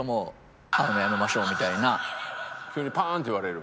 急にパーンって言われる？